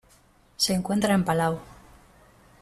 Se encuentra en Palau.